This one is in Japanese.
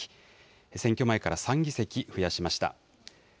選挙前から３議席増やしました。